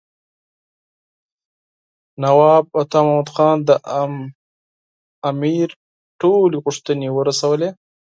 نواب عطا محمد خان د امیر ټولې غوښتنې ورسولې.